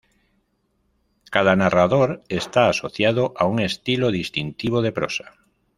Cada narrador está asociado a un estilo distintivo de prosa.